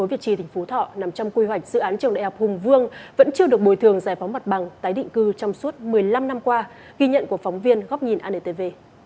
tái định cư trong suốt một mươi năm năm qua ghi nhận của phóng viên góc nhìn anetv